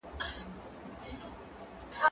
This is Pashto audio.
ته ولي سبزیجات جمع کوې